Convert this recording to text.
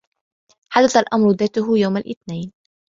حدث الأمر ذاته يوم الإثنين.